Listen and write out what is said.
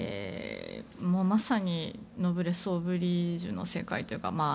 まさにノブレス・オブリージュの世界というか。